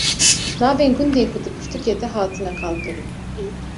Navên gundên ku di pirtûkê de hatine qalkirin